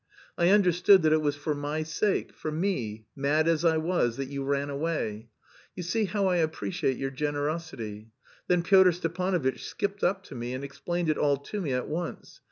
I understood that it was for my sake, for me, mad as I was, that you ran away. You see how I appreciate your generosity. Then Pyotr Stepanovitch skipped up to me and explained it all to me at once.